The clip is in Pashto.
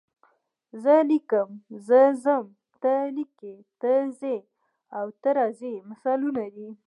زه لیکم، زه ځم، ته لیکې، ته ځې او ته راځې مثالونه دي.